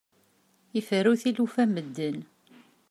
Iferru tilufa n medden.